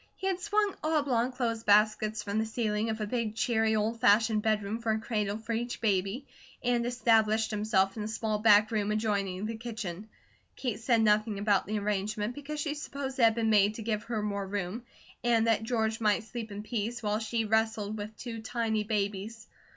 He had swung oblong clothes baskets from the ceiling of a big, cheery, old fashioned bedroom for a cradle for each baby, and established himself in a small back room adjoining the kitchen. Kate said nothing about the arrangement, because she supposed it had been made to give her more room, and that George might sleep in peace, while she wrestled with two tiny babies.